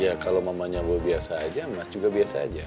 ya kalau mamanya mau biasa aja mas juga biasa aja